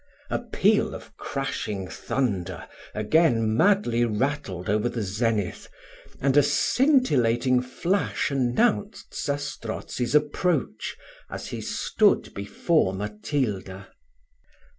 A peal of crashing thunder again madly rattled over the zenith, and a scintillating flash announced Zastrozzi's approach, as he stood before Matilda.